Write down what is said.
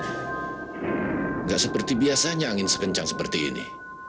tidak seperti biasanya angin sekencang seperti ini